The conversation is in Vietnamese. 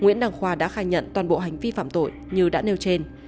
nguyễn đăng khoa đã khai nhận toàn bộ hành vi phạm tội như đã nêu trên